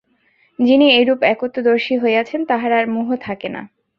যিনি এইরূপ একত্বদর্শী হইয়াছেন, তাঁহার আর মোহ থাকে না।